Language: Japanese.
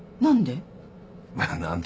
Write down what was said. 何で？